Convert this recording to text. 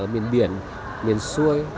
mình biển miền xuôi